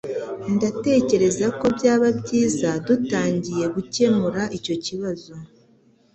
Ndatekereza ko byaba byiza dutangiye gukemura icyo kibazo